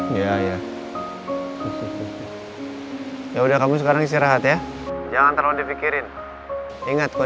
makasih kamu udah baik banget sama mereka